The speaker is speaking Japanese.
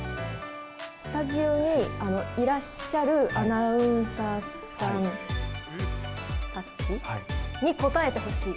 スタジオにいらっしゃるアナウンサーさんたちに答えてほしい。